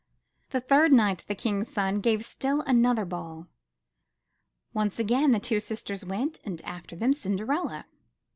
The third night the King's son gave still another ball; once again the two sisters went and after them, Cinderella.